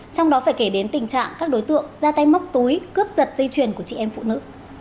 trong đó phải kể đến tình trạng các đối tượng ra tay móc túi cướp giật dây chuyền của chị em phụ nữ